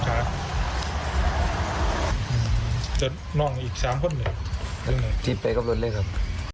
จิ๊บไปกับรถเลยครับ